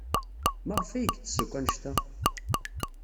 Maɣef ay yettess akk anect-a?